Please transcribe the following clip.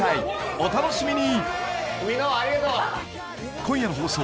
お楽しみに！